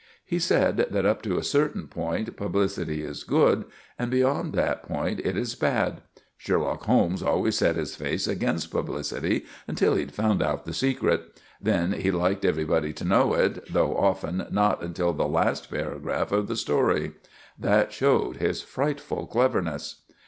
He said that up to a certain point publicity is good, and beyond that point it is bad. Sherlock Holmes always set his face against publicity until he'd found out the secret. Then he liked everybody to know it, though often not until the last paragraph of the story. That showed his frightful cleverness.